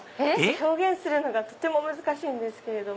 表現するのがとても難しいんですけれども。